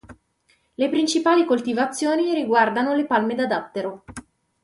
Le principali coltivazioni riguardano le palme da dattero.